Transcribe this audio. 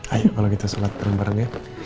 ayo kalau kita sholat bareng bareng ya